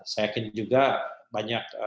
saya yakin juga banyak